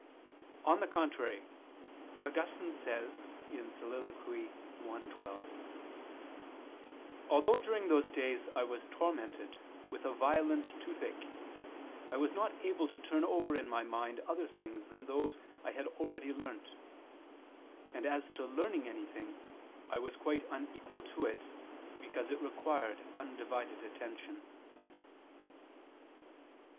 On the contrary, Augustine says (Soliloq. i, 12): "Although during those days I was tormented with a violent tooth ache, I was not able to turn over in my mind other things than those I had already learnt; and as to learning anything, I was quite unequal to it, because it required undivided attention."